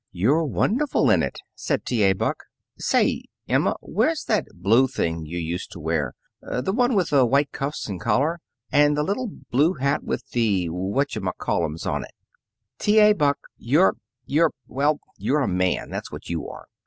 "You're wonderful in it," said T. A. Buck. "Say, Emma, where's that blue thing you used to wear the one with the white cuffs and collar, and the little blue hat with the what cha ma call ems on it?" "T. A. Buck, you're you're well, you're a man, that's what you are!